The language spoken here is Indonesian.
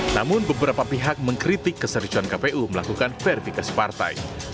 namun beberapa pihak mengkritik kesericuan kpu melakukan verifikasi partai